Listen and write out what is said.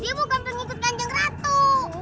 dia bukan pengikut kanjeng ratu